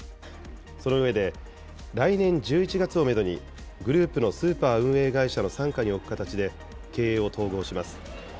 その上で来年１１月をメドに、グループのスーパー運営会社の傘下に置く形で経営を統合します。